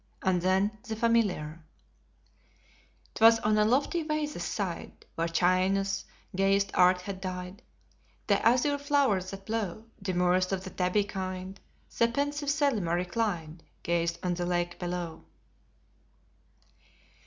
And then the familiar "'Twas on a lofty vase's side, Where China's gayest art had dy'd The azure flowers that blow: Demurest of the tabby kind, The pensive Selima, reclined, Gazed on the lake below."